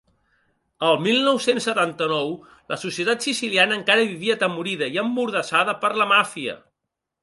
El mil nou-cents setanta-nou, la societat siciliana encara vivia atemorida i emmordassada per la màfia.